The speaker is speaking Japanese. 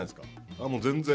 ああ、もう全然。